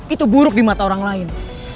itu buruk di mata orang lain